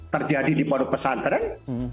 terjadi di produk pesantren